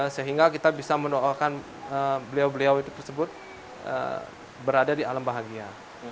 sehingga kita bisa mendoakan beliau beliau itu tersebut berada di alam bahagia